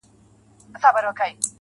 • دوى ما اوتا نه غواړي.